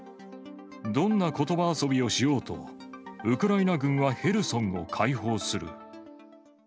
どんなことば遊びをしようと、ウクライナ軍はヘルソンを解放する。